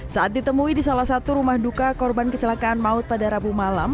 saat ditemui di salah satu rumah duka korban kecelakaan maut pada rabu malam